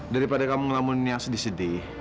daripada kamu ngelamun yang sedih sedih